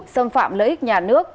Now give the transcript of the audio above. xâm phạm lợi ích nhà nước